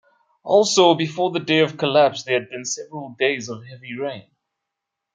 Also, before the day of collapse, there had been several days of heavy rain.